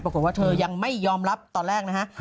ปรากฏว่าเธอยังไม่ยอมรับตอนแรกนะฮะ